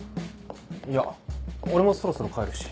いや俺もそろそろ帰るし。